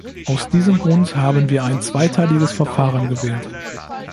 Aus diesem Grund haben wir ein zweiteiliges Verfahren gewählt.